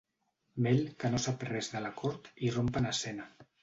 Mill, que no sap res de l'acord, irromp en escena.